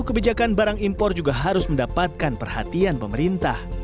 kebijakan barang impor juga harus mendapatkan perhatian pemerintah